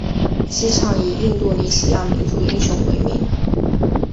机场以印度尼西亚民族英雄为名。